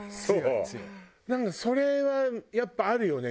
なんかそれはやっぱあるよね